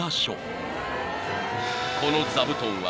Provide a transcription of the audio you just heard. ［この座布団は］